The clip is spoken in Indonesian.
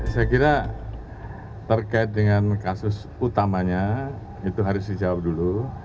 saya kira terkait dengan kasus utamanya itu harus dijawab dulu